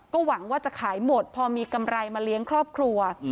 ก็หวังว่าจะขายหมดพอมีกำไรมาเลี้ยงครอบครัว